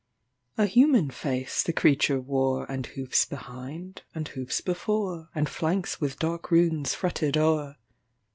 A human face the creature wore, And hoofs behind and hoofs before, And flanks with dark runes fretted o'er.